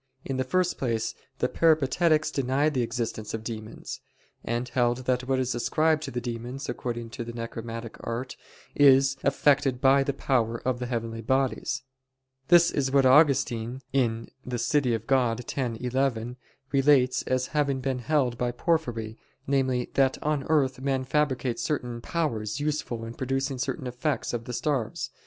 In the first place the Peripatetics denied the existence of demons; and held that what is ascribed to the demons, according to the necromantic art, is effected by the power of the heavenly bodies. This is what Augustine (De Civ. Dei x, 11) relates as having been held by Porphyry, namely, that "on earth men fabricate certain powers useful in producing certain effects of the stars."